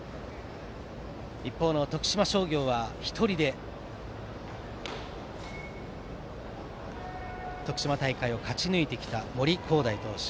一方の徳島商業は１人で徳島大会を勝ち抜いてきた森煌誠投手。